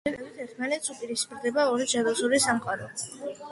სიუჟეტის მიხედვით, ერთმანეთს უპირისპირდება ორი ჯადოსნური სამყარო.